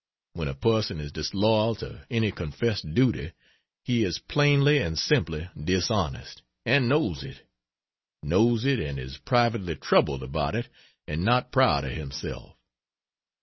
When a person is disloyal to any confessed duty, he is plainly and simply dishonest, and knows it; knows it, and is privately troubled about it and not proud of himself.